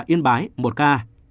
yên bái một ca